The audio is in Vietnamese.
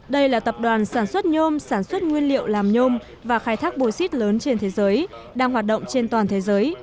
đây là tập đoàn sản xuất nhôm sản xuất nguyên liệu làm nhôm và khai thác bôi xít lớn trên thế giới đang hoạt động trên toàn thế giới